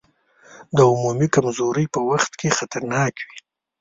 د عمومي کمزورۍ په وخت کې خطرناک وي.